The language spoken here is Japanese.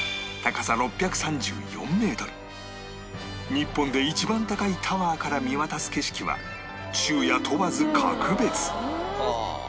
日本で一番高いタワーから見渡す景色は昼夜問わず格別はあ！